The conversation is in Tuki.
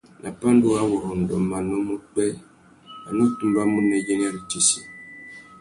Nà pandúrâwurrôndô manô má upwê, a nù tumbamú nà iyênêritsessi.